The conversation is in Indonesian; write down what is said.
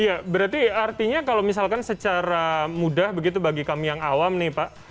iya berarti artinya kalau misalkan secara mudah begitu bagi kami yang awam nih pak